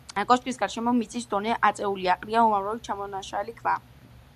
კოშკის გარშემო მიწის დონე აწეულია, ყრია უამრავი ჩამონაშალი ქვა.